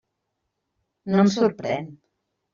No em sorprèn.